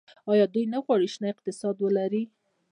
آیا دوی نه غواړي شنه اقتصاد ولري؟